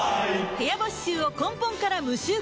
部屋干し臭を根本から無臭化